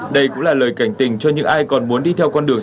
đây cũng là lời cảnh tình cho những ai còn muốn đi theo con đường